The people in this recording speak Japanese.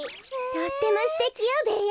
とってもすてきよベーヤ